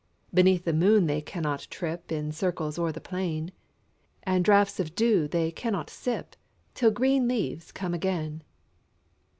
Beneath the moon they cannot trip In circles o'er the plain ; And draughts of dew they cannot sip, Till green leaves come again.